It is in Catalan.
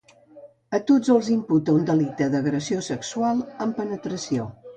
A tots els imputa un delicte d’agressió sexual amb penetració.